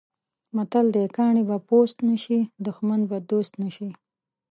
متل دی: کاڼی به پوست نه شي، دښمن به دوست نه شي.